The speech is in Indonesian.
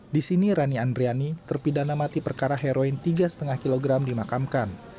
di sini rani andriani terpidana mati perkara heroin tiga lima kg dimakamkan